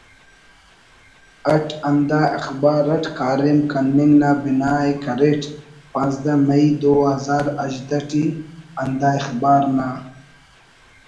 اٹ ہندا اخبار اٹ کاریم کننگ نا بناءِ کریٹ پانزدہ مئی دو ہزار ہژدہ ٹی ہندا اخبار نا